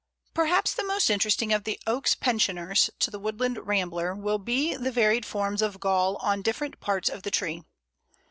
Perhaps the most interesting of the Oak's pensioners to the woodland rambler will be the varied forms of gall on different parts of the tree.